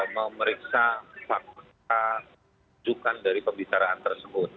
memeriksa fakta jukan dari pembicaraan tersebut